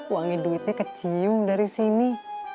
uangnya duitnya kecium dari sini